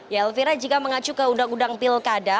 ya elvira jika mengacu ke undang undang pilkada